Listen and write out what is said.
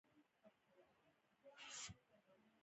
ښه ستراتیژي د پراختیا لوری بدلوي.